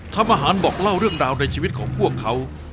ทำอาหารบอกเล่าเรื่องราวในชีวิตของพวกเขา